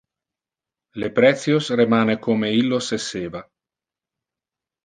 Le precios remane como illos esseva.